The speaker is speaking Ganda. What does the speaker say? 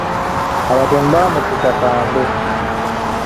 Abatemu baamuttisa kambe.